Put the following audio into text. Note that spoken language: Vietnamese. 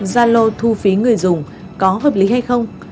zalo thu phí người dùng có hợp lý hay không